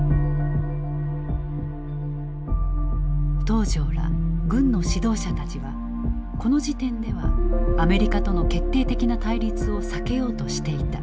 東條ら軍の指導者たちはこの時点ではアメリカとの決定的な対立を避けようとしていた。